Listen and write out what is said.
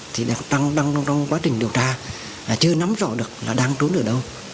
thì đang trong quá trình điều tra chưa nắm rõ được là đang trốn ở đâu